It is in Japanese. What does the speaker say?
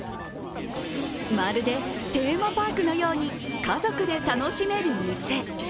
まるでテーマパークのように家族で楽しめる店。